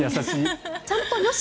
ちゃんとよし！